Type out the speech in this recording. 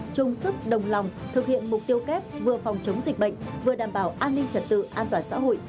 chung sức đồng lòng thực hiện mục tiêu kép vừa phòng chống dịch bệnh vừa đảm bảo an ninh trật tự an toàn xã hội